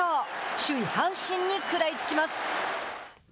首位阪神に食らいつきます。